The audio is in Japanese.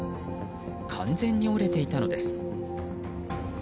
完全に折れていたのです。